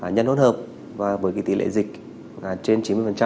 nhân hôn hợp và với tỷ lệ dịch trên chín mươi